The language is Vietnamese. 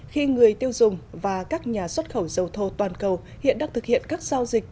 khi người tiêu dùng và các nhà xuất khẩu dầu thô toàn cầu hiện đang thực hiện các giao dịch